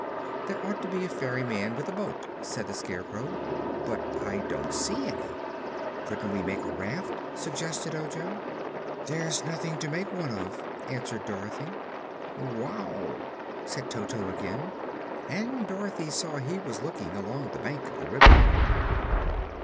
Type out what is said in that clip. "There ought to be a ferryman with a boat," said the Scarecrow; "but I don't see any." "Couldn't we make a raft?" suggested Ojo. "There's nothing to make one of," answered Dorothy. "Wow!" said Toto again, and Dorothy saw he was looking along the bank of the river.